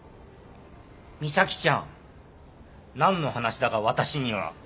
美咲ちゃん何の話だか私には。